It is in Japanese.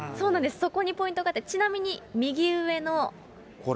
そこにポイントがあって、ちなみこれ。